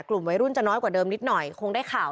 กลุ่มวัยรุ่นจะน้อยกว่าเดิมนิดหน่อยคงได้ข่าว